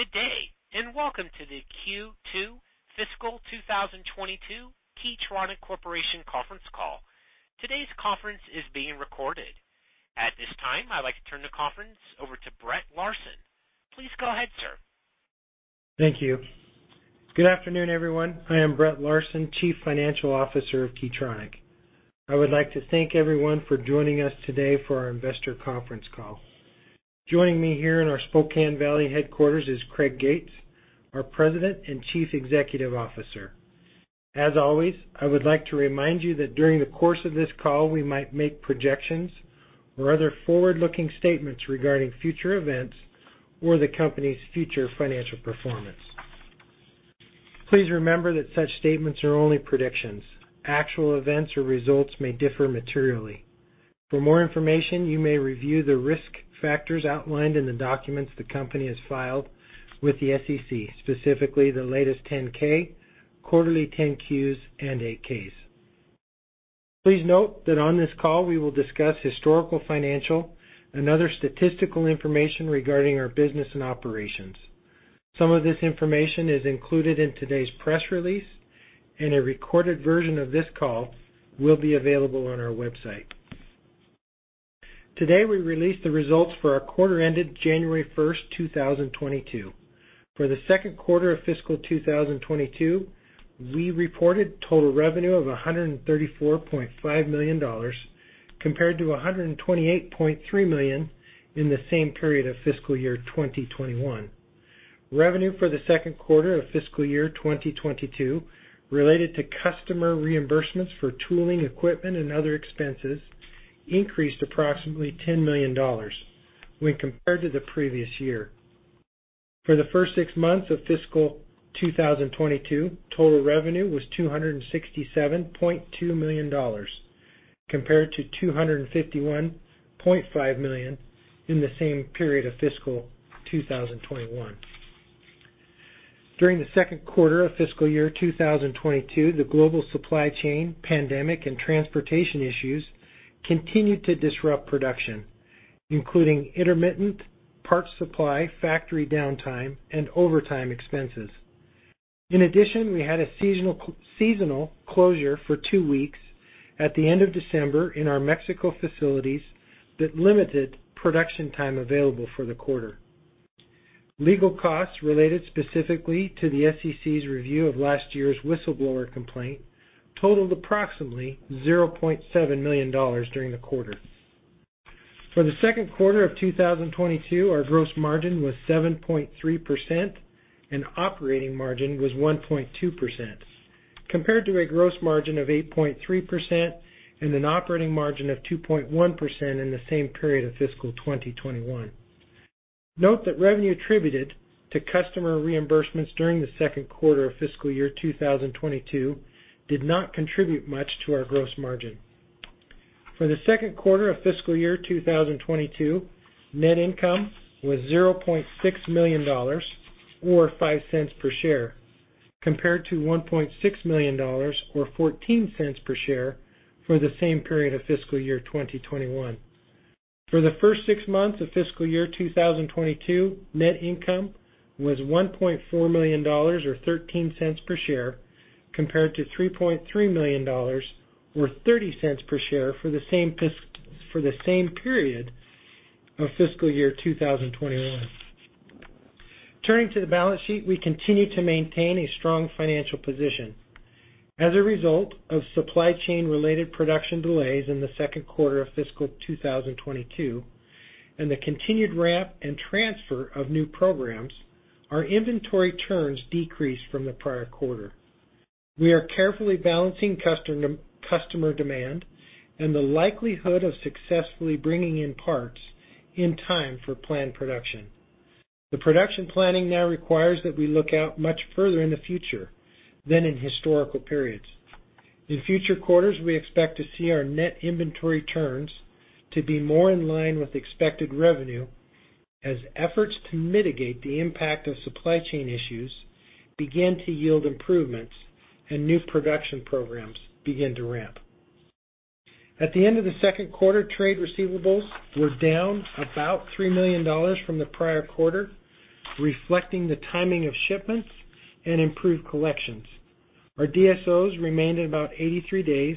Good day, and welcome to the Q2 fiscal 2022 Key Tronic Corporation conference call. Today's conference is being recorded. At this time, I'd like to turn the conference over to Brett Larsen. Please go ahead, sir. Thank you. Good afternoon, everyone. I am Brett Larsen, Chief Financial Officer of Key Tronic. I would like to thank everyone for joining us today for our investor conference call. Joining me here in our Spokane Valley headquarters is Craig Gates, our President and Chief Executive Officer. As always, I would like to remind you that during the course of this call, we might make projections or other forward-looking statements regarding future events or the company's future financial performance. Please remember that such statements are only predictions. Actual events or results may differ materially. For more information, you may review the risk factors outlined in the documents the company has filed with the SEC, specifically the latest 10-K, quarterly 10-Qs, and 8-Ks. Please note that on this call, we will discuss historical, financial, and other statistical information regarding our business and operations. Some of this information is included in today's press release, and a recorded version of this call will be available on our website. Today, we released the results for our quarter ended January 1st, 2022. For the second quarter of fiscal 2022, we reported total revenue of $134.5 million, compared to $128.3 million in the same period of fiscal year 2021. Revenue for the second quarter of fiscal year 2022 related to customer reimbursements for tooling, equipment, and other expenses increased approximately $10 million when compared to the previous year. For the first six months of fiscal 2022, total revenue was $267.2 million compared to $251.5 million in the same period of fiscal 2021. During the second quarter of fiscal year 2022, the global supply chain, pandemic, and transportation issues continued to disrupt production, including intermittent parts supply, factory downtime, and overtime expenses. In addition, we had a seasonal closure for two weeks at the end of December in our Mexico facilities that limited production time available for the quarter. Legal costs related specifically to the SEC's review of last year's whistleblower complaint totaled approximately $0.7 million during the quarter. For the second quarter of 2022, our gross margin was 7.3% and operating margin was 1.2%, compared to a gross margin of 8.3% and an operating margin of 2.1% in the same period of fiscal 2021. Note that revenue attributed to customer reimbursements during the second quarter of fiscal year 2022 did not contribute much to our gross margin. For the second quarter of fiscal year 2022, net income was $0.6 million or $0.05 per share, compared to $1.6 million or $0.14 per share for the same period of fiscal year 2021. For the first six months of fiscal year 2022, net income was $1.4 million or $0.13 per share, compared to $3.3 million or $0.30 per share for the same period of fiscal year 2021. Turning to the balance sheet, we continue to maintain a strong financial position. As a result of supply chain related production delays in the second quarter of fiscal 2022 and the continued ramp and transfer of new programs, our inventory turns decreased from the prior quarter. We are carefully balancing customer demand and the likelihood of successfully bringing in parts in time for planned production. The production planning now requires that we look out much further in the future than in historical periods. In future quarters, we expect to see our net inventory turns to be more in line with expected revenue as efforts to mitigate the impact of supply chain issues begin to yield improvements and new production programs begin to ramp. At the end of the second quarter, trade receivables were down about $3 million from the prior quarter, reflecting the timing of shipments and improved collections. Our DSOs remained at about 83 days,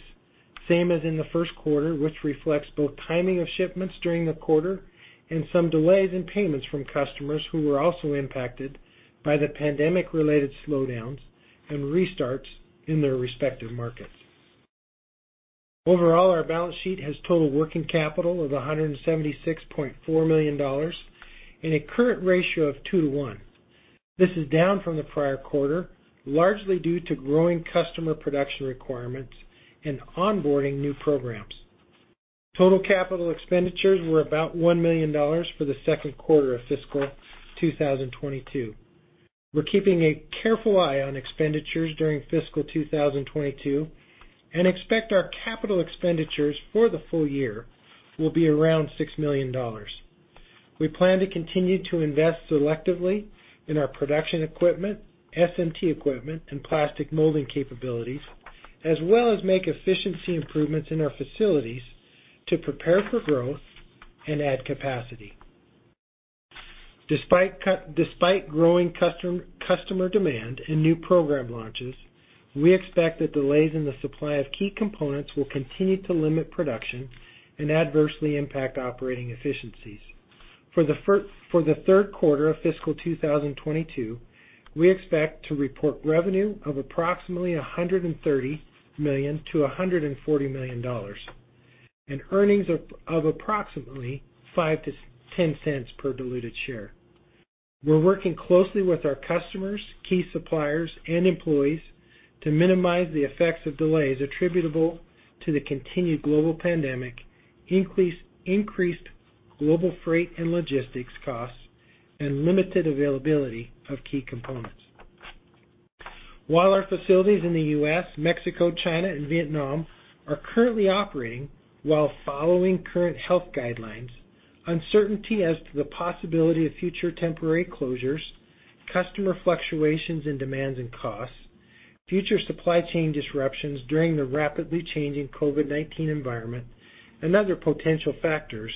same as in the first quarter, which reflects both timing of shipments during the quarter and some delays in payments from customers who were also impacted by the pandemic related slowdowns and restarts in their respective markets. Overall, our balance sheet has total working capital of $176.4 million and a current ratio of 2:1. This is down from the prior quarter, largely due to growing customer production requirements and onboarding new programs. Total capital expenditures were about $1 million for the second quarter of fiscal 2022. We're keeping a careful eye on expenditures during fiscal 2022, and expect our capital expenditures for the full year will be around $6 million. We plan to continue to invest selectively in our production equipment, SMT equipment, and plastic molding capabilities, as well as make efficiency improvements in our facilities to prepare for growth and add capacity. Despite growing customer demand and new program launches, we expect that delays in the supply of key components will continue to limit production and adversely impact operating efficiencies. For the third quarter of fiscal 2022, we expect to report revenue of approximately $130 million-$140 million, and earnings of approximately 5-10 cents per diluted share. We're working closely with our customers, key suppliers, and employees to minimize the effects of delays attributable to the continued global pandemic, increased global freight and logistics costs, and limited availability of key components. While our facilities in the U.S., Mexico, China, and Vietnam are currently operating, while following current health guidelines, uncertainty as to the possibility of future temporary closures, customer fluctuations in demands and costs, future supply chain disruptions during the rapidly changing COVID-19 environment, and other potential factors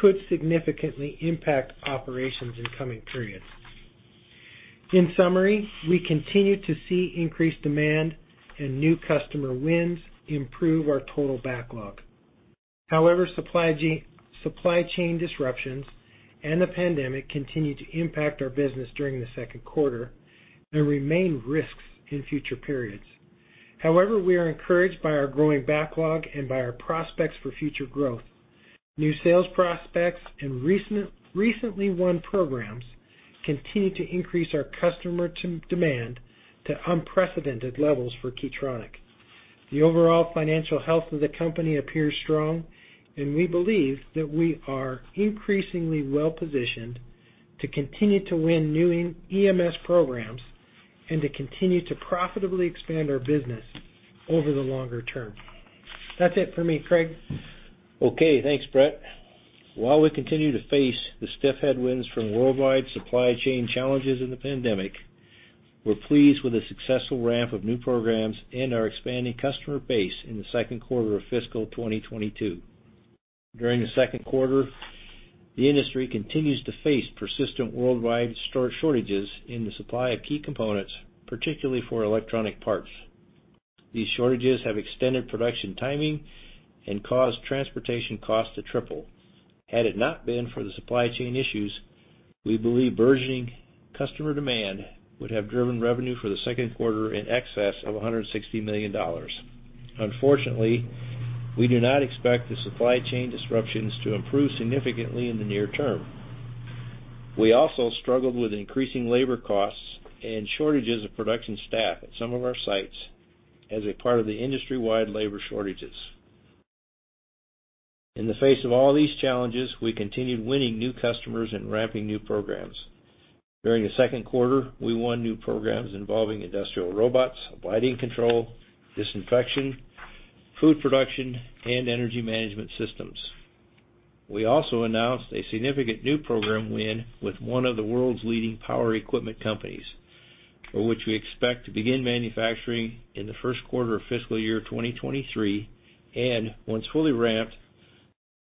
could significantly impact operations in coming periods. In summary, we continue to see increased demand and new customer wins improve our total backlog. However, supply chain disruptions and the pandemic continue to impact our business during the second quarter and remain risks in future periods. However, we are encouraged by our growing backlog and by our prospects for future growth. New sales prospects and recently won programs continue to increase our customer demand to unprecedented levels for Key Tronic. The overall financial health of the company appears strong, and we believe that we are increasingly well-positioned to continue to win new EMS programs and to continue to profitably expand our business over the longer term. That's it for me, Craig. Okay. Thanks, Brett. While we continue to face the stiff headwinds from worldwide supply chain challenges in the pandemic, we're pleased with the successful ramp of new programs and our expanding customer base in the second quarter of fiscal 2022. During the second quarter, the industry continues to face persistent worldwide shortages in the supply of key components, particularly for electronic parts. These shortages have extended production timing and caused transportation costs to triple. Had it not been for the supply chain issues, we believe burgeoning customer demand would have driven revenue for the second quarter in excess of $160 million. Unfortunately, we do not expect the supply chain disruptions to improve significantly in the near term. We also struggled with increasing labor costs and shortages of production staff at some of our sites as a part of the industry-wide labor shortages. In the face of all these challenges, we continued winning new customers and ramping new programs. During the second quarter, we won new programs involving industrial robots, lighting control, disinfection, food production, and energy management systems. We also announced a significant new program win with one of the world's leading power equipment companies, for which we expect to begin manufacturing in the first quarter of fiscal year 2023, and once fully ramped,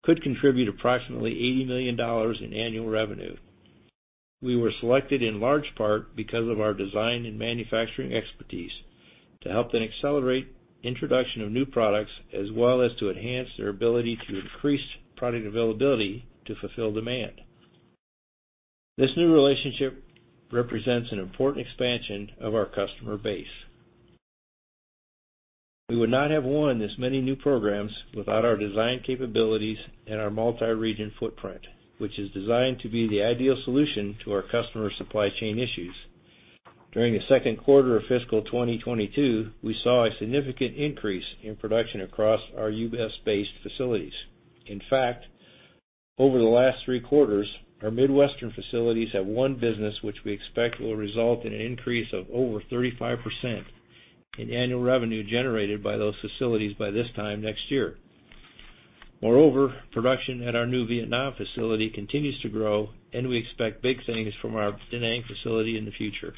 could contribute approximately $80 million in annual revenue. We were selected in large part because of our design and manufacturing expertise to help them accelerate introduction of new products as well as to enhance their ability to increase product availability to fulfill demand. This new relationship represents an important expansion of our customer base. We would not have won this many new programs without our design capabilities and our multi-region footprint, which is designed to be the ideal solution to our customer supply chain issues. During the second quarter of fiscal 2022, we saw a significant increase in production across our U.S.-based facilities. In fact, over the last three quarters, our Midwestern facilities have won business which we expect will result in an increase of over 35% in annual revenue generated by those facilities by this time next year. Moreover, production at our new Vietnam facility continues to grow, and we expect big things from our Da Nang facility in the future.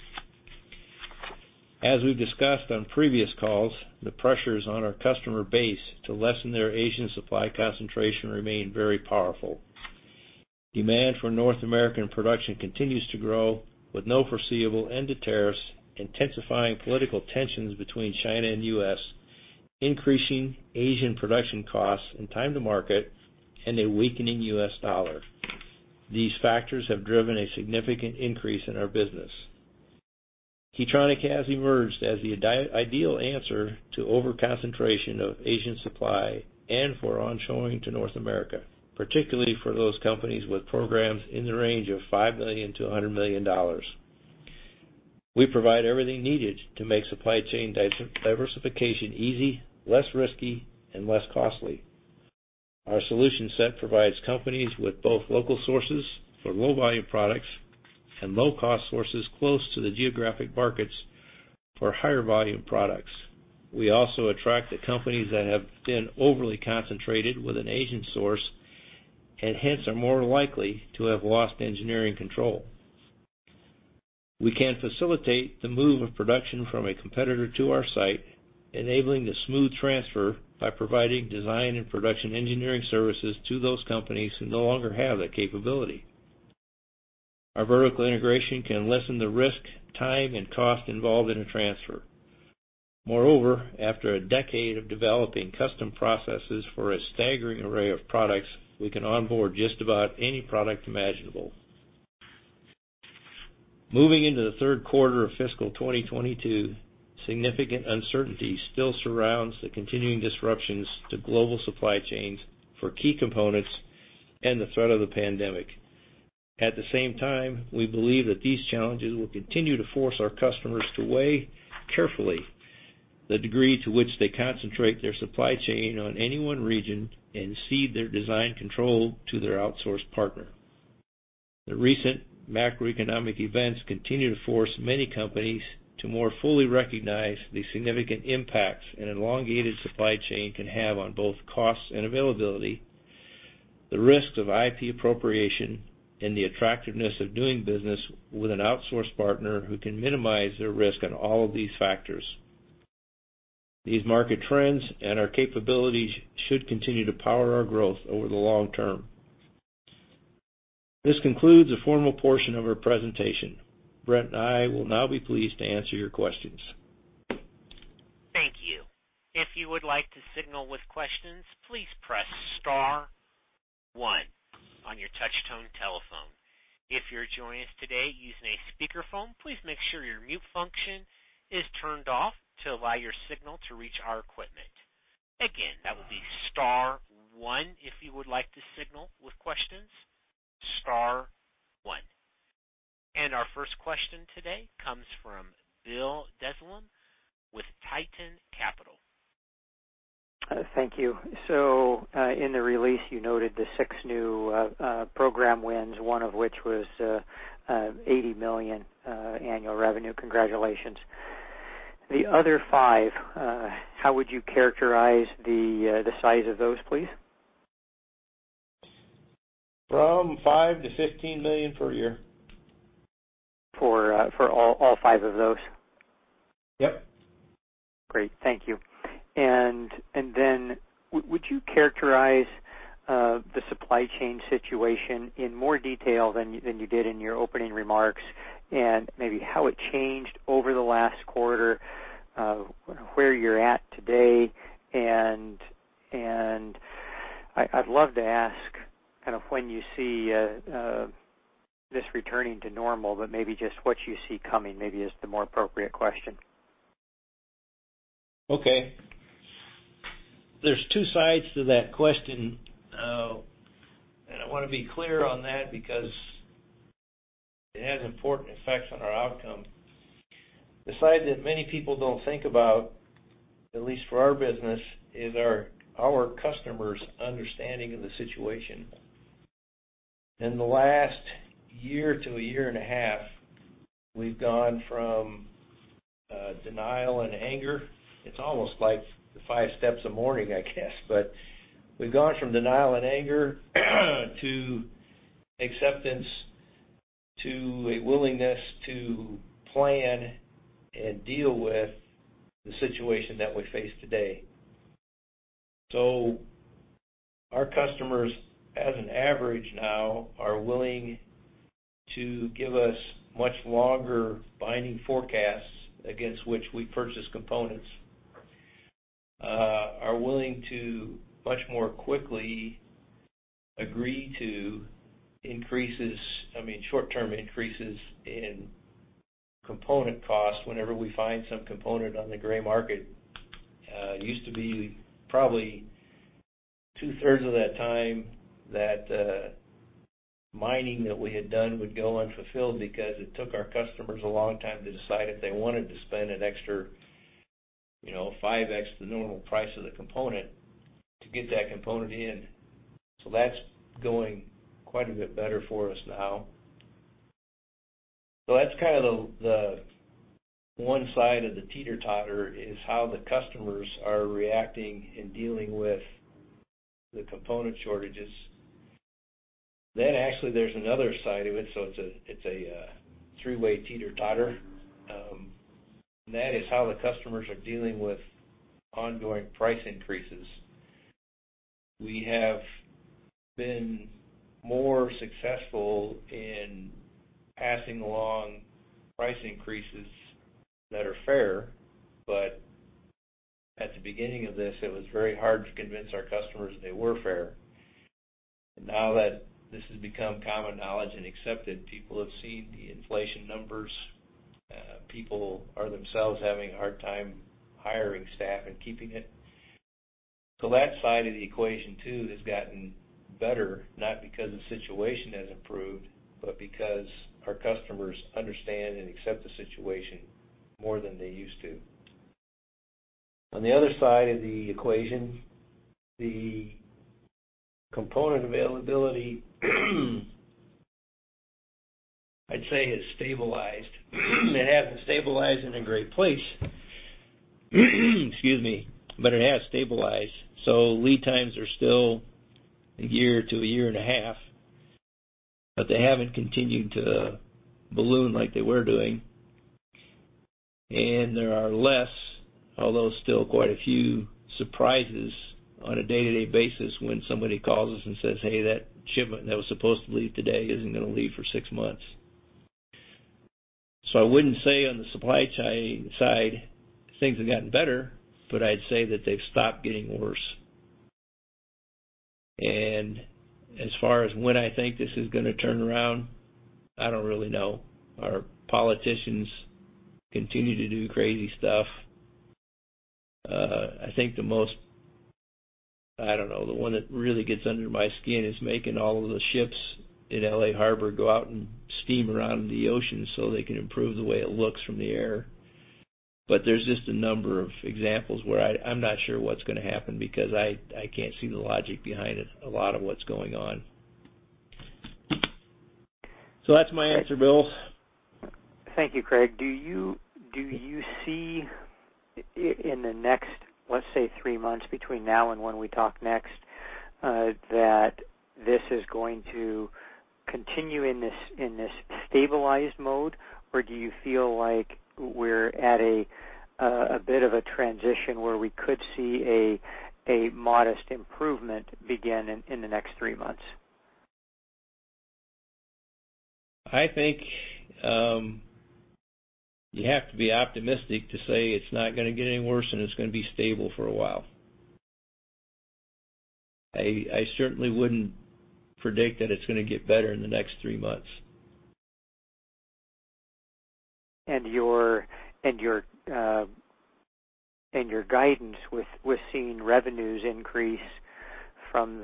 As we've discussed on previous calls, the pressures on our customer base to lessen their Asian supply concentration remain very powerful. Demand for North American production continues to grow with no foreseeable end to tariffs, intensifying political tensions between China and U.S., increasing Asian production costs and time to market, and a weakening U.S. dollar. These factors have driven a significant increase in our business. Key Tronic has emerged as the ideal answer to over-concentration of Asian supply and for onshoring to North America, particularly for those companies with programs in the range of $5 million-$100 million. We provide everything needed to make supply chain diversification easy, less risky, and less costly. Our solution set provides companies with both local sources for low volume products and low cost sources close to the geographic markets for higher volume products. We also attract the companies that have been overly concentrated with an Asian source and hence are more likely to have lost engineering control. We can facilitate the move of production from a competitor to our site, enabling the smooth transfer by providing design and production engineering services to those companies who no longer have that capability. Our vertical integration can lessen the risk, time, and cost involved in a transfer. Moreover, after a decade of developing custom processes for a staggering array of products, we can onboard just about any product imaginable. Moving into the third quarter of fiscal 2022, significant uncertainty still surrounds the continuing disruptions to global supply chains for key components and the threat of the pandemic. At the same time, we believe that these challenges will continue to force our customers to weigh carefully the degree to which they concentrate their supply chain on any one region and cede their design control to their outsourced partner. The recent macroeconomic events continue to force many companies to more fully recognize the significant impacts an elongated supply chain can have on both costs and availability, the risks of IP appropriation, and the attractiveness of doing business with an outsourced partner who can minimize their risk on all of these factors. These market trends and our capabilities should continue to power our growth over the long term. This concludes the formal portion of our presentation. Brett and I will now be pleased to answer your questions. Thank you. If you would like to signal with questions, please press star one on your touch-tone telephone. If you're joining us today using a speakerphone, please make sure your mute function is turned off to allow your signal to reach our equipment. Again, that will be star one if you would like to signal with questions, star one. Our first question today comes from Bill Dezellem with Tieton Capital. Thank you. In the release, you noted the six new program wins, one of which was $80 million annual revenue. Congratulations. The other five, how would you characterize the size of those, please? From $5 million-$15 million per year. For all five of those? Yep. Great. Thank you. Would you characterize the supply chain situation in more detail than you did in your opening remarks, and maybe how it changed over the last quarter, where you're at today? I'd love to ask kind of when you see this returning to normal, but maybe just what you see coming maybe is the more appropriate question. Okay. There's two sides to that question. I want to be clear on that because it has important effects on our outcome. The side that many people don't think about, at least for our business, is our customers' understanding of the situation. In the last year to a year and a half, we've gone from denial and anger. It's almost like the five steps of mourning, I guess. We've gone from denial and anger to acceptance to a willingness to plan and deal with the situation that we face today. Our customers, as an average now, are willing to give us much longer binding forecasts against which we purchase components, are willing to much more quickly agree to increases, I mean, short-term increases in component costs whenever we find some component on the gray market. It used to be probably two-thirds of that time that mining that we had done would go unfulfilled because it took our customers a long time to decide if they wanted to spend an extra, you know, five x the normal price of the component to get that component in. That's going quite a bit better for us now. That's kind of the one side of the teeter-totter, is how the customers are reacting and dealing with the component shortages. Actually, there's another side of it, so it's a three-way teeter-totter, and that is how the customers are dealing with ongoing price increases. We have been more successful in passing along price increases that are fair, but at the beginning of this, it was very hard to convince our customers they were fair. Now that this has become common knowledge and accepted, people have seen the inflation numbers. People are themselves having a hard time hiring staff and keeping it. That side of the equation too has gotten better, not because the situation has improved, but because our customers understand and accept the situation more than they used to. On the other side of the equation, the component availability, I'd say, has stabilized. It hasn't stabilized in a great place. But it has stabilized. Lead times are still a year to a year and a half, but they haven't continued to balloon like they were doing. There are less, although still quite a few surprises on a day-to-day basis when somebody calls us and says, "Hey, that shipment that was supposed to leave today isn't gonna leave for six months." So I wouldn't say on the supply chain side, things have gotten better, but I'd say that they've stopped getting worse. As far as when I think this is gonna turn around, I don't really know. Our politicians continue to do crazy stuff. I don't know. The one that really gets under my skin is making all of the ships in L.A. Harbor go out and steam around in the ocean so they can improve the way it looks from the air. There's just a number of examples where I'm not sure what's gonna happen because I can't see the logic behind it, a lot of what's going on. That's my answer, Bill. Thank you, Craig. Do you see in the next, let's say, three months between now and when we talk next, that this is going to continue in this stabilized mode, or do you feel like we're at a bit of a transition where we could see a modest improvement begin in the next three months? I think, you have to be optimistic to say it's not gonna get any worse and it's gonna be stable for a while. I certainly wouldn't predict that it's gonna get better in the next three months. Your guidance with seeing revenues increase from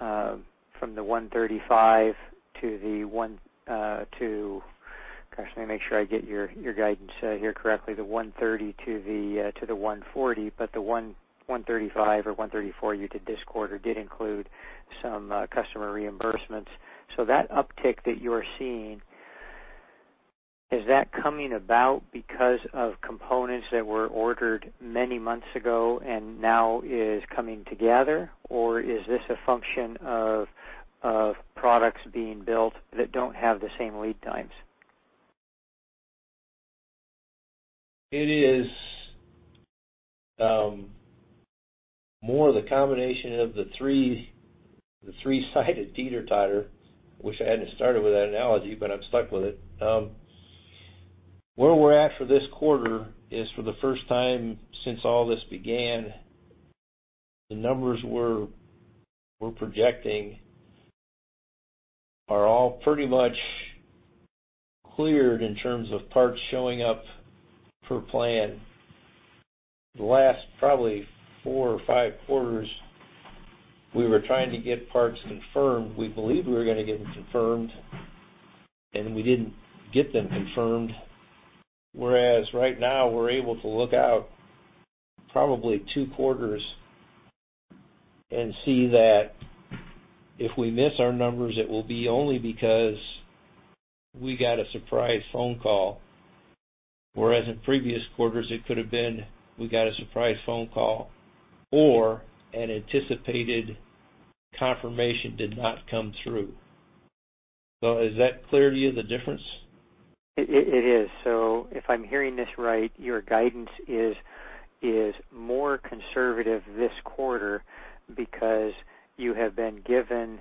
$130 to $140. Let me make sure I get your guidance here correctly. The $135 or $134 you did this quarter did include some customer reimbursements. That uptick that you are seeing, is that coming about because of components that were ordered many months ago and now is coming together, or is this a function of products being built that don't have the same lead times? It is more of the combination of the three-sided teeter-totter. Wish I hadn't started with that analogy, but I'm stuck with it. Where we're at for this quarter is for the first time since all this began, the numbers we're projecting are all pretty much cleared in terms of parts showing up per plan. The last probably four or five quarters, we were trying to get parts confirmed. We believed we were gonna get them confirmed, and we didn't get them confirmed. Whereas right now we're able to look out probably two quarters and see that if we miss our numbers, it will be only because we got a surprise phone call. Whereas in previous quarters, it could have been we got a surprise phone call or an anticipated confirmation did not come through. Is that clear to you, the difference? It is. If I'm hearing this right, your guidance is more conservative this quarter because you have been given,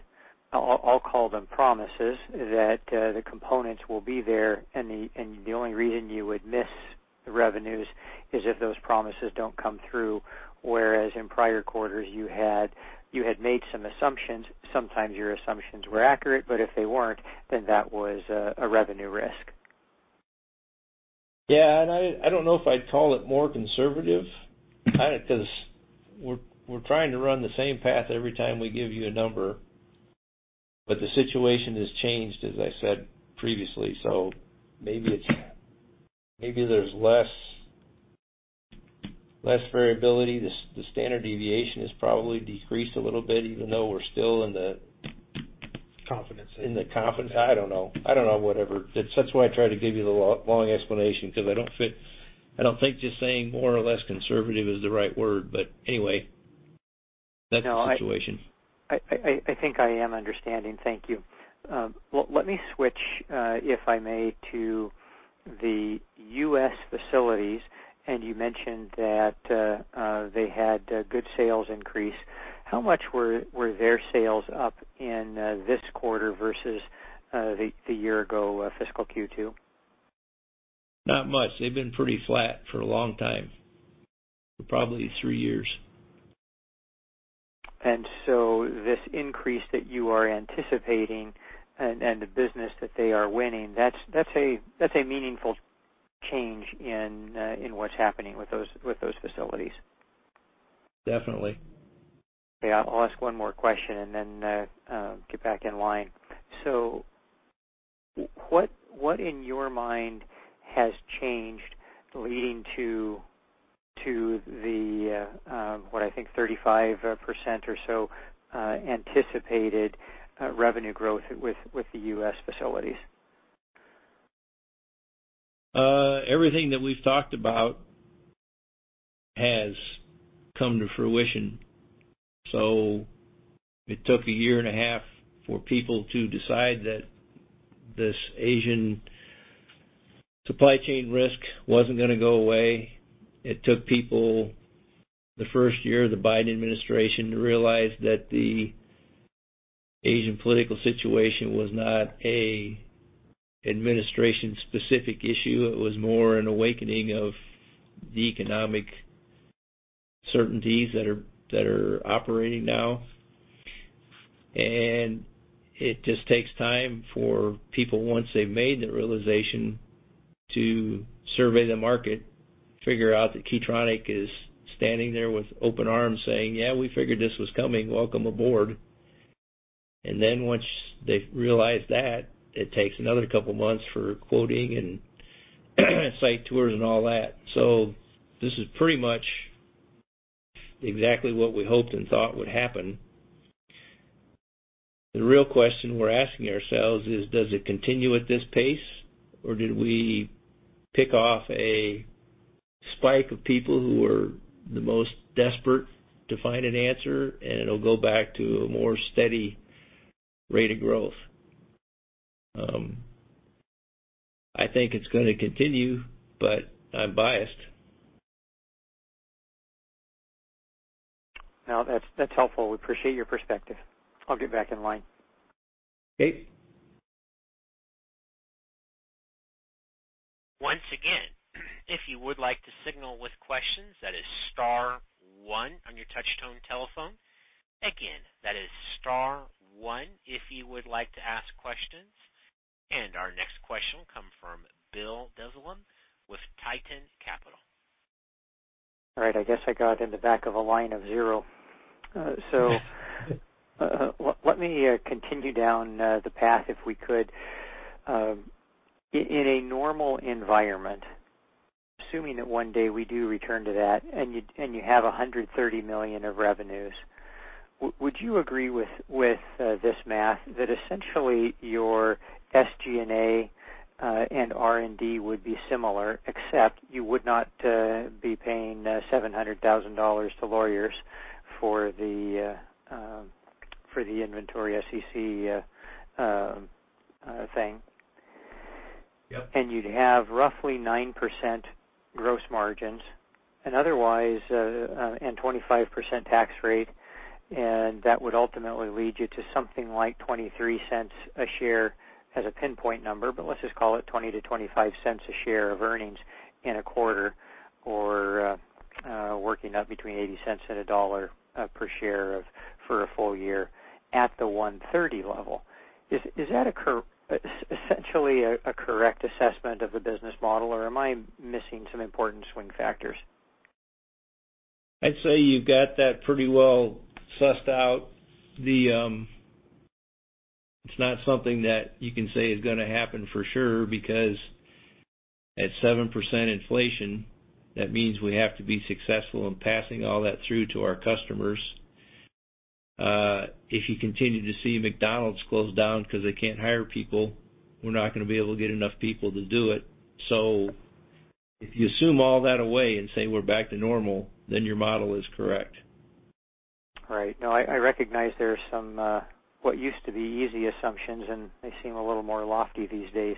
I'll call them promises, that the components will be there, and the only reason you would miss the revenues is if those promises don't come through. Whereas in prior quarters, you had made some assumptions. Sometimes your assumptions were accurate, but if they weren't, then that was a revenue risk. Yeah. I don't know if I'd call it more conservative, 'cause we're trying to run the same path every time we give you a number. The situation has changed, as I said previously. Maybe it's. Maybe there's less variability. The standard deviation has probably decreased a little bit, even though we're still in the- Confidence. In the confidence. I don't know, whatever. That's why I try to give you the long explanation because I don't think just saying more or less conservative is the right word. Anyway, that's the situation. No, I think I am understanding. Thank you. Well, let me switch, if I may, to the U.S. facilities. You mentioned that they had a good sales increase. How much were their sales up in this quarter versus the year-ago fiscal Q2? Not much. They've been pretty flat for a long time, for probably three years. This increase that you are anticipating and the business that they are winning, that's a meaningful change in what's happening with those facilities. Definitely. Okay. I'll ask one more question and then get back in line. What in your mind has changed leading to what I think 35% or so anticipated revenue growth with the U.S. facilities? Everything that we've talked about has come to fruition. It took a year and a half for people to decide that this Asian supply chain risk wasn't gonna go away. It took people the first year of the Biden administration to realize that the Asian political situation was not an administration-specific issue. It was more an awakening of the economic certainties that are operating now. It just takes time for people, once they've made the realization, to survey the market, figure out that Key Tronic is standing there with open arms saying, "Yeah, we figured this was coming. Welcome aboard." Then once they've realized that, it takes another couple months for quoting and site tours and all that. This is pretty much exactly what we hoped and thought would happen. The real question we're asking ourselves is, does it continue at this pace, or did we pick off a spike of people who were the most desperate to find an answer, and it'll go back to a more steady rate of growth? I think it's gonna continue, but I'm biased. No, that's helpful. We appreciate your perspective. I'll get back in line. Okay. Once again, if you would like to signal with questions, that is star one on your touch tone telephone. Again, that is star one if you would like to ask questions. Our next question will come from Bill Dezellem with Tieton Capital. All right. I guess I got in the back of a line of zero. So, let me continue down the path, if we could. In a normal environment, assuming that one day we do return to that and you have $130 million of revenues, would you agree with this math that essentially your SG&A and R&D would be similar, except you would not be paying $700,000 to lawyers for the inventory SEC thing? Yep. You'd have roughly 9% gross margins and otherwise 25% tax rate, and that would ultimately lead you to something like $0.23 per share as a pinpoint number, but let's just call it $0.20-$0.25 per share of earnings in a quarter or working out between $0.80 and $1 per share for a full year at the $130 level. Is that essentially a correct assessment of the business model, or am I missing some important swing factors? I'd say you've got that pretty well sussed out. It's not something that you can say is gonna happen for sure, because at 7% inflation, that means we have to be successful in passing all that through to our customers. If you continue to see McDonald's close down because they can't hire people, we're not gonna be able to get enough people to do it. If you assume all that away and say we're back to normal, then your model is correct. Right. No, I recognize there are some what used to be easy assumptions, and they seem a little more lofty these days.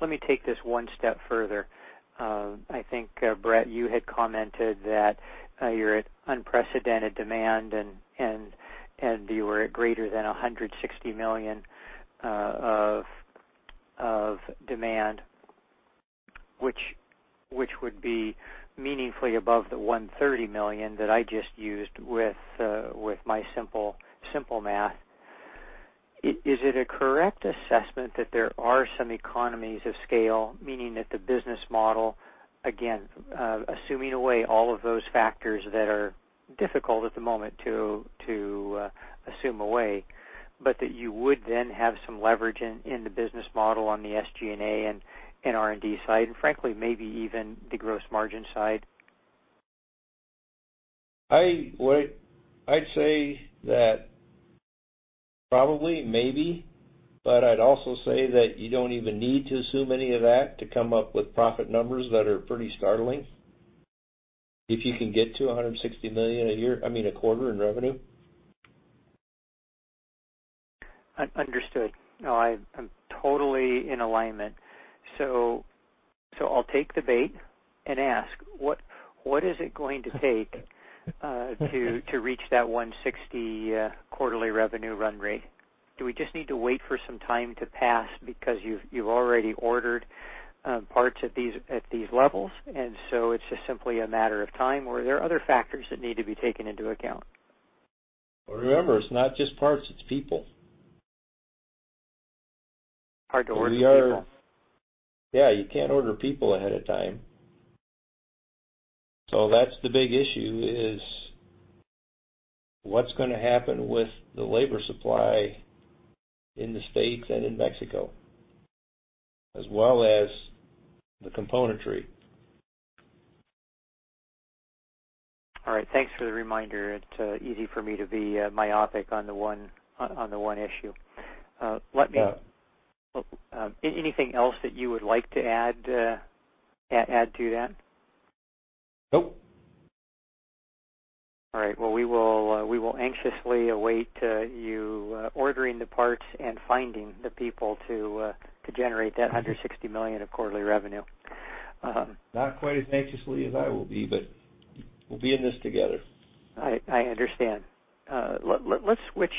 Let me take this one step further. I think, Brett, you had commented that you're at unprecedented demand and you were at greater than $160 million of demand, which would be meaningfully above the $130 million that I just used with my simple math. Is it a correct assessment that there are some economies of scale, meaning that the business model, again, assuming away all of those factors that are difficult at the moment to assume away, but that you would then have some leverage in the business model on the SG&A and R&D side, and frankly, maybe even the gross margin side? I'd say that probably, maybe, but I'd also say that you don't even need to assume any of that to come up with profit numbers that are pretty startling if you can get to $160 million a year, I mean, a quarter in revenue. Understood. No, I'm totally in alignment. I'll take the bait and ask, what is it going to take to reach that $160 quarterly revenue run rate? Do we just need to wait for some time to pass because you've already ordered parts at these levels, and so it's just simply a matter of time, or are there other factors that need to be taken into account? Well, remember, it's not just parts, it's people. Hard to order people. Yeah, you can't order people ahead of time. That's the big issue is, what's gonna happen with the labor supply in the States and in Mexico, as well as the componentry? All right, thanks for the reminder. It's easy for me to be myopic on the one issue. Let me Yeah. Anything else that you would like to add to that? Nope. All right, well, we will anxiously await you ordering the parts and finding the people to generate that $160 million of quarterly revenue. Not quite as anxiously as I will be, but we'll be in this together. I understand. Let's switch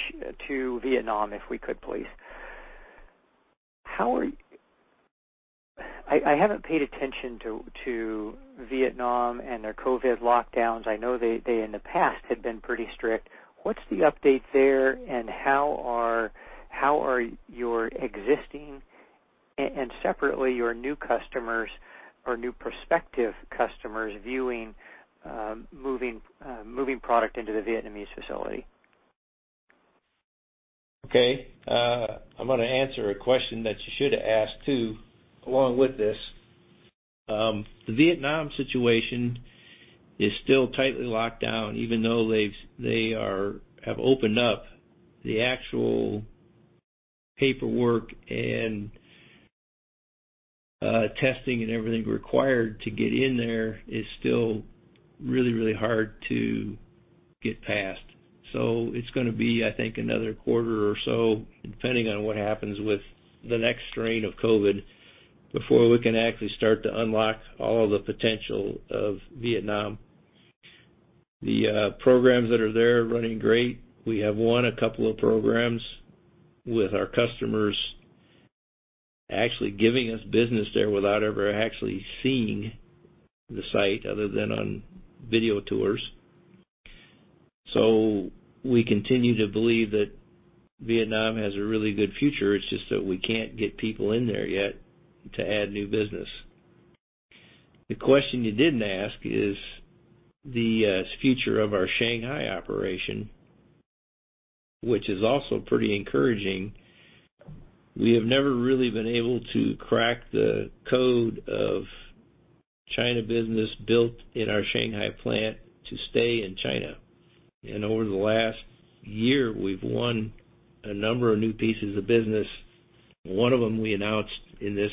to Vietnam, if we could, please. I haven't paid attention to Vietnam and their COVID-19 lockdowns. I know they in the past had been pretty strict. What's the update there, and how are your existing and separately your new customers or new prospective customers viewing moving product into the Vietnamese facility? Okay. I'm gonna answer a question that you should have asked too along with this. The Vietnam situation is still tightly locked down even though they have opened up the actual paperwork and testing and everything required to get in there is still really, really hard to get past. It's gonna be, I think, another quarter or so, depending on what happens with the next strain of COVID, before we can actually start to unlock all the potential of Vietnam. The programs that are there are running great. We have won a couple of programs with our customers actually giving us business there without ever actually seeing the site other than on video tours. We continue to believe that Vietnam has a really good future, it's just that we can't get people in there yet to add new business. The question you didn't ask is the future of our Shanghai operation, which is also pretty encouraging. We have never really been able to crack the code of China business built in our Shanghai plant to stay in China. Over the last year, we've won a number of new pieces of business, one of them we announced in this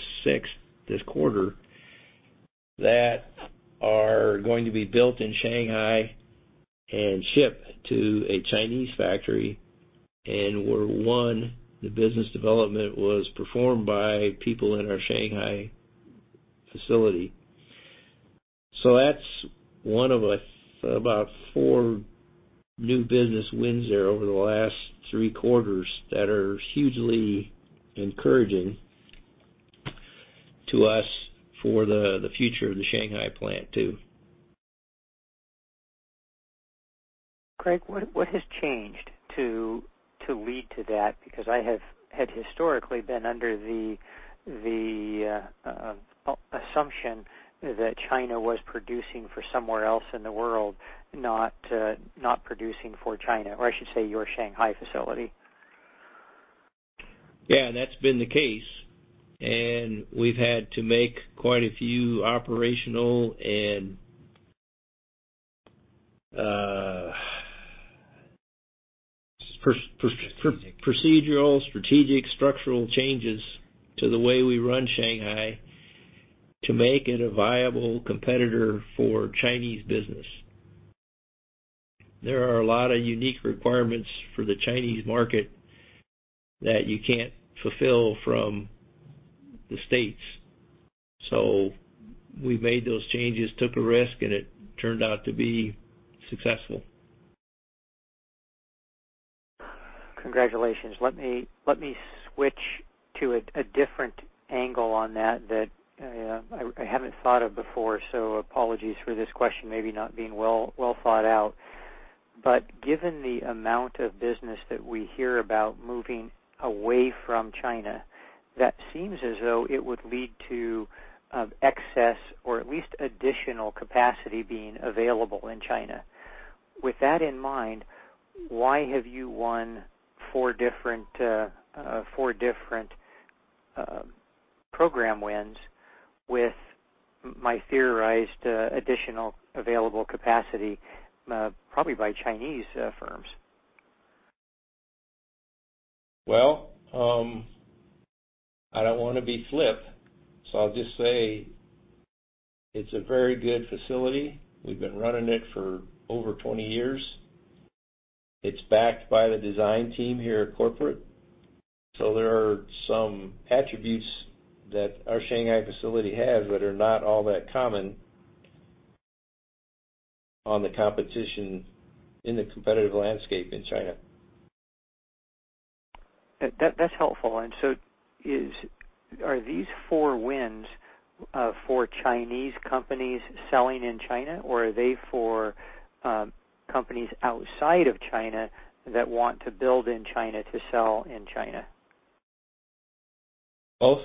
quarter, that are going to be built in Shanghai and shipped to a Chinese factory, and were won, the business development was performed by people in our Shanghai facility. That's one of about four new business wins there over the last three quarters that are hugely encouraging to us for the future of the Shanghai plant too. Craig, what has changed to lead to that? Because I have had historically been under the assumption that China was producing for somewhere else in the world, not producing for China, or I should say your Shanghai facility. Yeah, that's been the case, and we've had to make quite a few operational and Procedural... procedural, strategic, structural changes to the way we run Shanghai to make it a viable competitor for Chinese business. There are a lot of unique requirements for the Chinese market that you can't fulfill from the States. We made those changes, took a risk, and it turned out to be successful. Congratulations. Let me switch to a different angle on that I haven't thought of before, so apologies for this question maybe not being well thought out. Given the amount of business that we hear about moving away from China, that seems as though it would lead to excess or at least additional capacity being available in China. With that in mind, why have you won four different program wins with my theorized additional available capacity probably by Chinese firms? Well, I don't wanna be flip, so I'll just say it's a very good facility. We've been running it for over 20 years. It's backed by the design team here at corporate. There are some attributes that our Shanghai facility has that are not all that common on the competition in the competitive landscape in China. That's helpful. Are these four wins for Chinese companies selling in China, or are they for companies outside of China that want to build in China to sell in China? Both.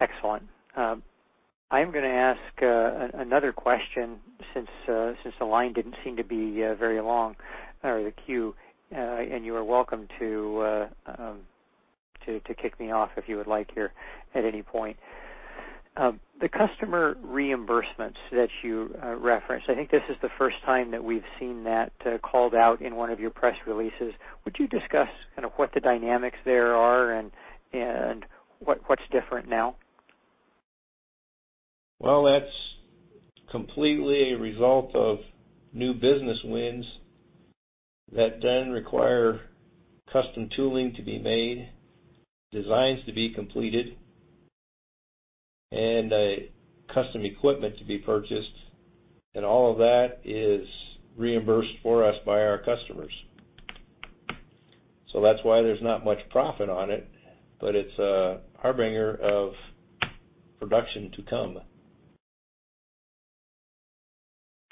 Excellent. I'm gonna ask another question since the line didn't seem to be very long, or the queue, and you are welcome to to kick me off, if you would like here at any point. The customer reimbursements that you referenced, I think this is the first time that we've seen that called out in one of your press releases. Would you discuss kind of what the dynamics there are and what's different now? Well, that's completely a result of new business wins that then require custom tooling to be made, designs to be completed, and custom equipment to be purchased. All of that is reimbursed for us by our customers. That's why there's not much profit on it, but it's a harbinger of production to come.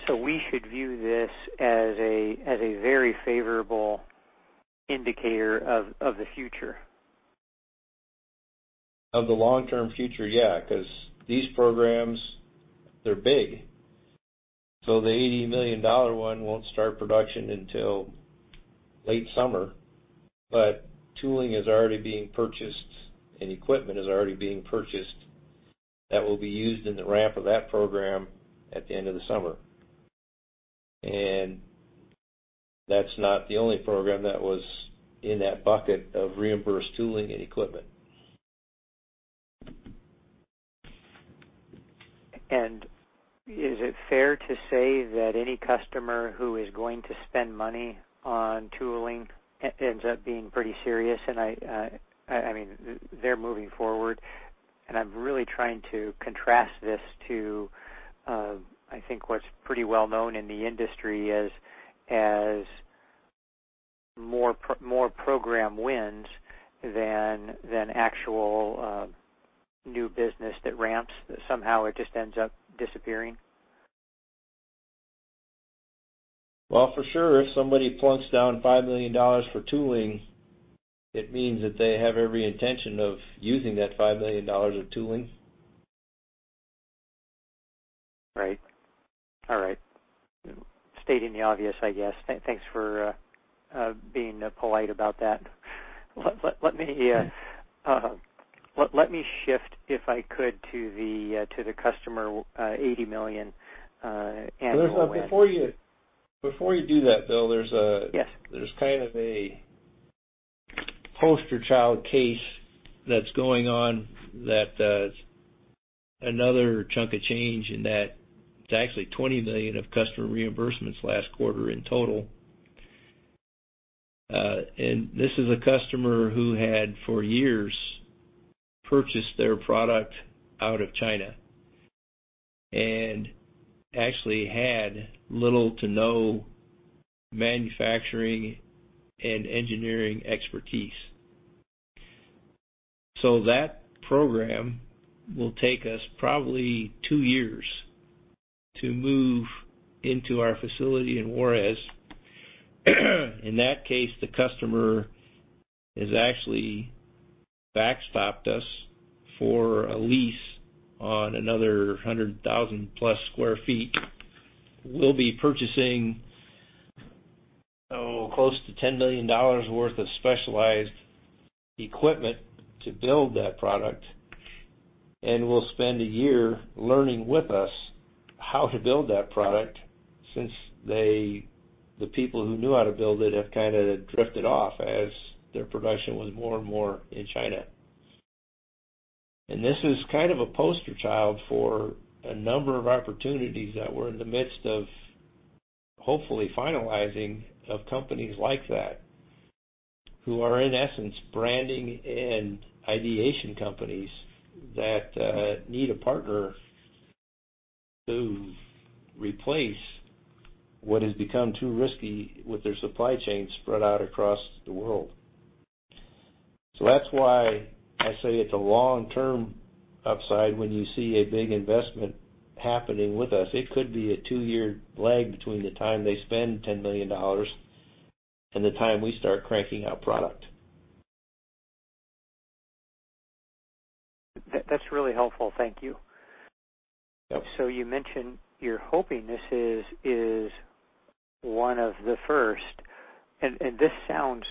We should view this as a very favorable indicator of the future. Of the long-term future, yeah, 'cause these programs, they're big. The $80 million one won't start production until late summer, but tooling is already being purchased and equipment is already being purchased that will be used in the ramp of that program at the end of the summer. That's not the only program that was in that bucket of reimbursed tooling and equipment. Is it fair to say that any customer who is going to spend money on tooling ends up being pretty serious? I mean, they're moving forward, and I'm really trying to contrast this to I think what's pretty well known in the industry as more program wins than actual new business that ramps. That somehow it just ends up disappearing. Well, for sure, if somebody plunks down $5 million for tooling, it means that they have every intention of using that $5 million of tooling. Right. All right. Stating the obvious, I guess. Thanks for being polite about that. Let me shift, if I could, to the customer 80 million annual- Before you do that, Bill, there's a- Yes. There's kind of a poster child case that's going on that, another chunk of change in that. It's actually $20 million of customer reimbursements last quarter in total. This is a customer who had, for years, purchased their product out of China and actually had little to no manufacturing and engineering expertise. That program will take us probably 2 years to move into our facility in Juárez. In that case, the customer has actually backstopped us for a lease on another 100,000+ sq ft. We'll be purchasing close to $10 million worth of specialized equipment to build that product, and will spend a year learning with us how to build that product, since they, the people who knew how to build it have kinda drifted off as their production was more and more in China. This is kind of a poster child for a number of opportunities that we're in the midst of, hopefully finalizing of companies like that, who are, in essence, branding and ideation companies that need a partner to replace what has become too risky with their supply chain spread out across the world. That's why I say it's a long-term upside when you see a big investment happening with us. It could be a two-year lag between the time they spend $10 million and the time we start cranking out product. That, that's really helpful. Thank you. Yep. You mentioned you're hoping this is one of the first, and this sounds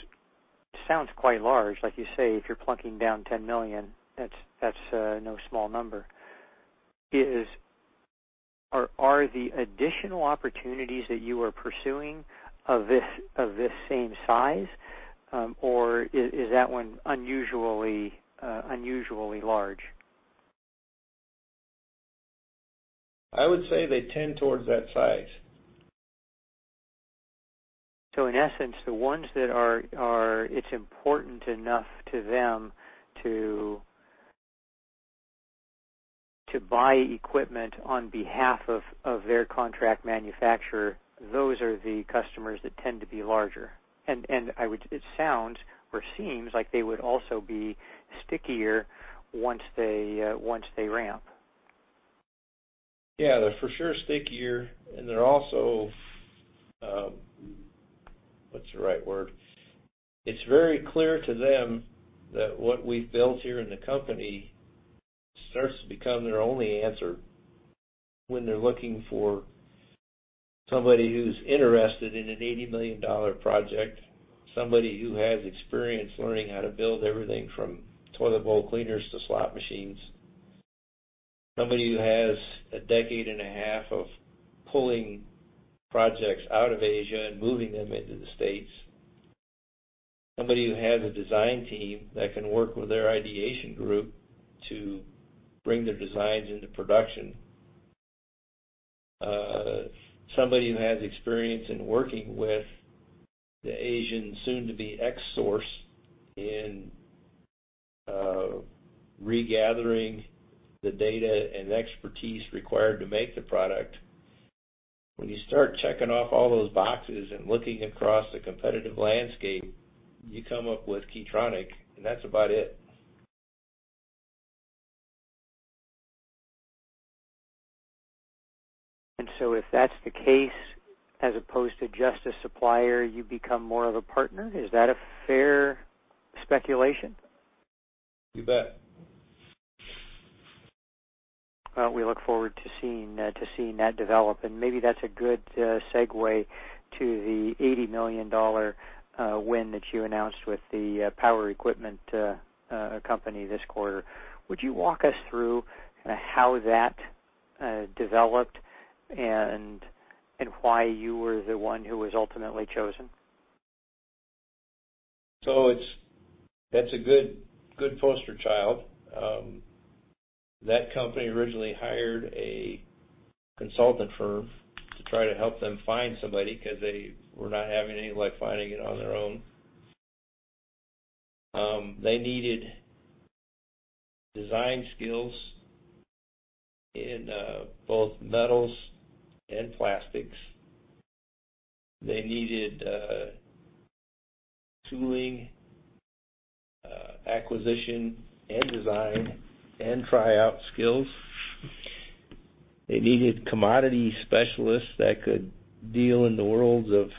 quite large. Like you say, if you're plunking down $10 million, that's no small number. Are the additional opportunities that you are pursuing of this same size, or is that one unusually large? I would say they tend towards that size. In essence, the ones that are it's important enough to them to buy equipment on behalf of their contract manufacturer, those are the customers that tend to be larger. It sounds or seems like they would also be stickier once they ramp. Yeah, they're for sure stickier. They're also. What's the right word? It's very clear to them that what we've built here in the company starts to become their only answer when they're looking for somebody who's interested in an $80 million project, somebody who has experience learning how to build everything from toilet bowl cleaners to slot machines. Somebody who has a decade and a half of pulling projects out of Asia and moving them into the States. Somebody who has a design team that can work with their ideation group to bring their designs into production. Somebody who has experience in working with the Asian soon-to-be ex-source in, regathering the data and expertise required to make the product. When you start checking off all those boxes and looking across the competitive landscape, you come up with Key Tronic, and that's about it. If that's the case, as opposed to just a supplier, you become more of a partner. Is that a fair speculation? You bet. Well, we look forward to seeing that develop, and maybe that's a good segue to the $80 million win that you announced with the power equipment company this quarter. Would you walk us through how that developed and why you were the one who was ultimately chosen? It's a good poster child. That company originally hired a consulting firm to try to help them find somebody 'cause they were not having any luck finding it on their own. They needed design skills in both metals and plastics. They needed tooling, acquisition and design and tryout skills. They needed commodity specialists that could deal in the worlds of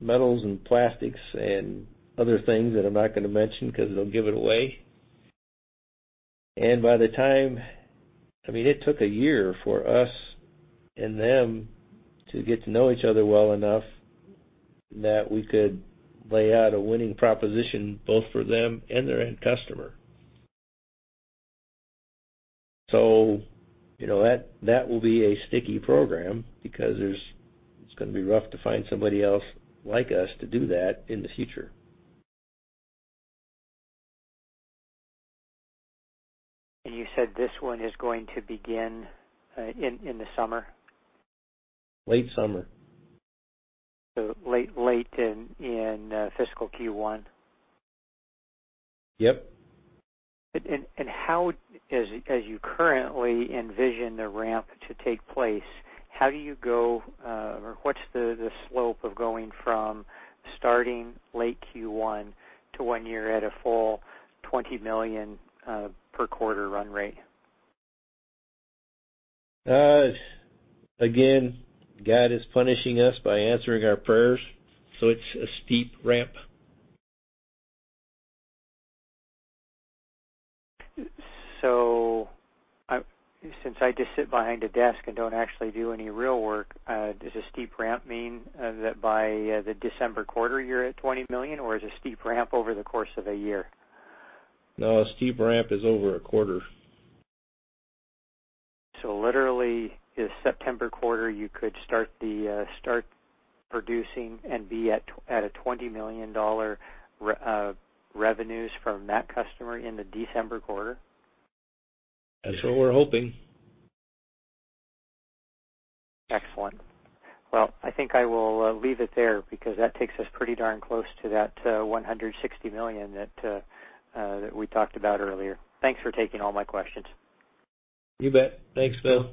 metals and plastics and other things that I'm not gonna mention 'cause it'll give it away. I mean, it took a year for us and them to get to know each other well enough that we could lay out a winning proposition both for them and their end customer. You know that will be a sticky program because it's gonna be rough to find somebody else like us to do that in the future. You said this one is going to begin in the summer? Late summer. Late in fiscal Q1. Yep. As you currently envision the ramp to take place, how do you go, or what's the slope of going from starting late Q1 to when you're at a full $20 million per quarter run rate? Again, God is punishing us by answering our prayers, so it's a steep ramp. Since I just sit behind a desk and don't actually do any real work, does a steep ramp mean that by the December quarter you're at $20 million, or is it steep ramp over the course of a year? No, steep ramp is over a quarter. Literally this September quarter, you could start producing and be at a $20 million revenues from that customer in the December quarter? That's what we're hoping. Excellent. Well, I think I will leave it there because that takes us pretty darn close to that $160 million that we talked about earlier. Thanks for taking all my questions. You bet. Thanks, Bill.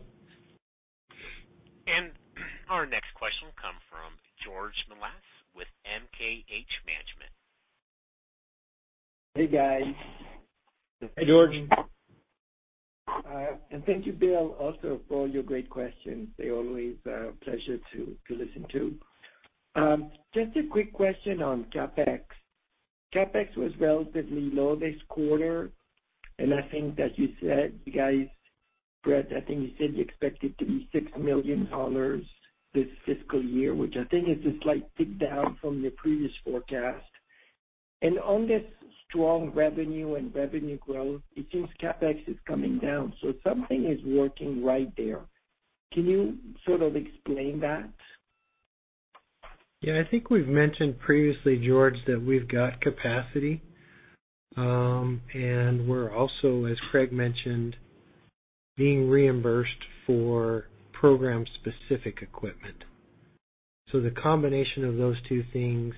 Our next question comes from George Melas with MKH Management. Hey, guys. Hey, George. Thank you, Bill, also for all your great questions. They're always a pleasure to listen to. Just a quick question on CapEx. CapEx was relatively low this quarter, and I think that you said you guys—Brett, I think you said you expect it to be $6 million this fiscal year, which I think is a slight tick down from your previous forecast. On this strong revenue and revenue growth, it seems CapEx is coming down, so something is working right there. Can you sort of explain that? Yeah. I think we've mentioned previously, George, that we've got capacity. We're also, as Craig mentioned, being reimbursed for program-specific equipment. The combination of those two things,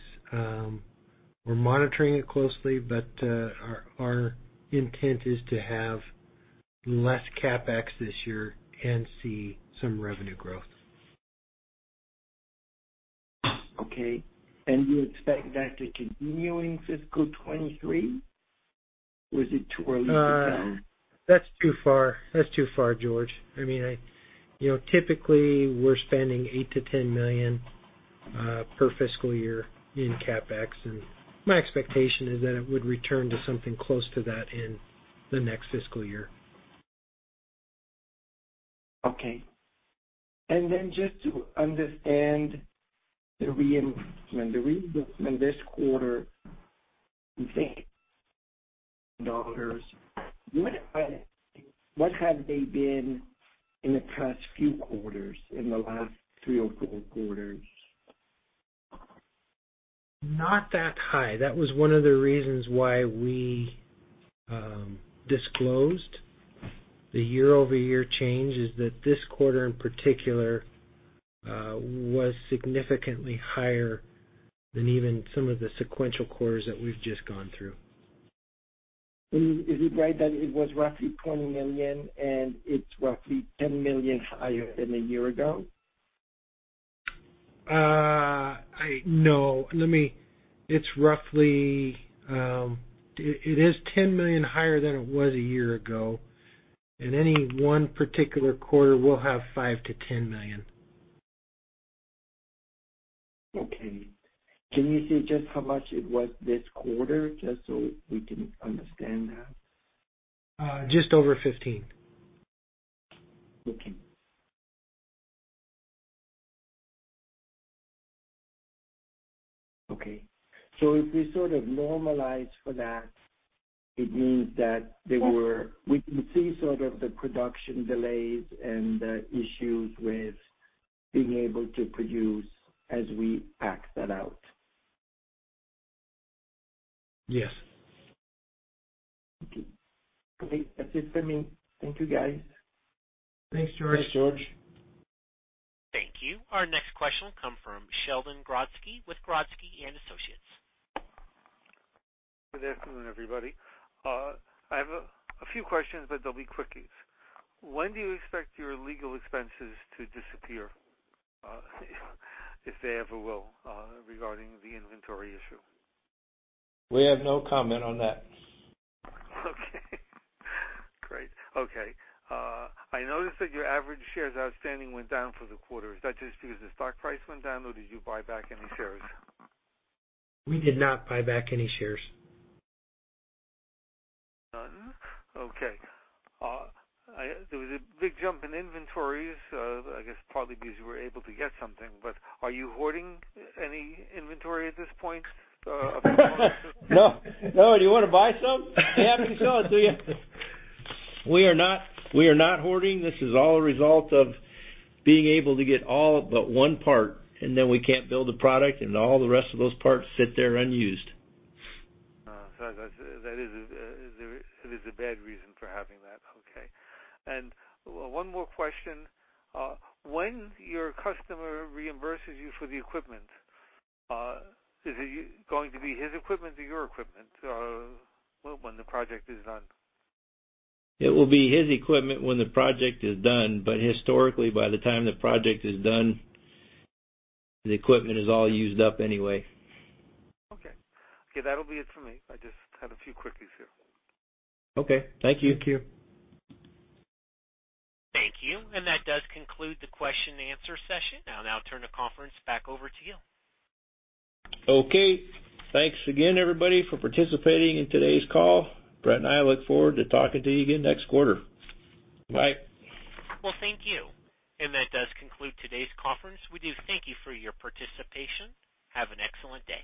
we're monitoring it closely, but our intent is to have less CapEx this year and see some revenue growth. Okay. You expect that to continue in fiscal 2023, or is it too early to tell? That's too far. That's too far, George. I mean, you know, typically, we're spending $8 million-$10 million per fiscal year in CapEx, and my expectation is that it would return to something close to that in the next fiscal year. Okay. Just to understand the reimbursement, the reimbursement this quarter, you think dollars. What, what have they been in the past few quarters, in the last three or four quarters? Not that high. That was one of the reasons why we disclosed the year-over-year change is that this quarter in particular was significantly higher than even some of the sequential quarters that we've just gone through. Is it right that it was roughly $20 million and it's roughly $10 million higher than a year ago? It's roughly $10 million higher than it was a year ago. In any one particular quarter, we'll have $5 million-$10 million. Okay. Can you say just how much it was this quarter, just so we can understand that? Just over 15. Okay. If we sort of normalize for that, we can see sort of the production delays and the issues with being able to produce as we act that out. Yes. Okay. That's it for me. Thank you, guys. Thanks, George. Thanks, George. Thank you. Our next question will come from Sheldon Grodsky with Grodsky Associates. Good afternoon, everybody. I have a few questions, but they'll be quickies. When do you expect your legal expenses to disappear, if they ever will, regarding the inventory issue? We have no comment on that. Okay, great. Okay. I noticed that your average shares outstanding went down for the quarter. Is that just because the stock price went down or did you buy back any shares? We did not buy back any shares. None? Okay. There was a big jump in inventories, I guess partly because you were able to get something. Are you hoarding any inventory at this point, of components or- No. No. Do you wanna buy some? You're happy to sell it, do you? We are not hoarding. This is all a result of being able to get all but one part, and then we can't build a product and all the rest of those parts sit there unused. That is a bad reason for having that. Okay. One more question. When your customer reimburses you for the equipment, is it going to be his equipment or your equipment, when the project is done? It will be his equipment when the project is done. Historically, by the time the project is done, the equipment is all used up anyway. Okay. Okay, that'll be it for me. I just had a few quickies here. Okay. Thank you. Thank you. Thank you. That does conclude the question and answer session. I'll now turn the conference back over to you. Okay. Thanks again, everybody, for participating in today's call. Brett and I look forward to talking to you again next quarter. Bye. Well, thank you. That does conclude today's conference. We do thank you for your participation. Have an excellent day.